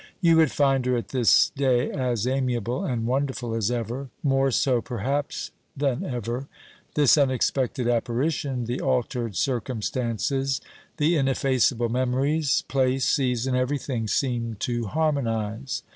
You would find her at this day as amiable and wonderful as ever, more so perhaps than ever. This unexpected apparition, the altered circumstances, the ineffaceable memories, place, season, everything seemed to harmonise.